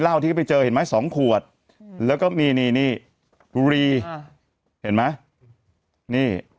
เล่าที่ก็ไปเจอเห็นไหมสองขวดแล้วก็มีนี่นี่นี่อ่าเห็นไหมนี่